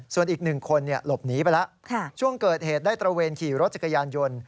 ส่วนอีก๑คนหลบหนีไปแล้วช่วงเกิดเหตุได้ตระเวนขี่รถจักรยานยนต์